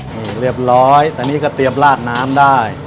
เหรียบร้อยตอนนี้กระเตียบราดน้ำได้